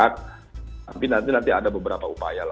tapi nanti ada beberapa upaya